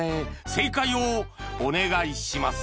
正解をお願いします